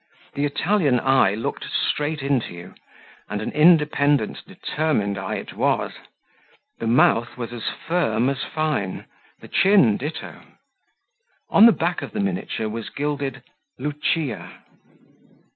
The Italian eye looked straight into you, and an independent, determined eye it was; the mouth was as firm as fine; the chin ditto. On the back of the miniature was gilded "Lucia."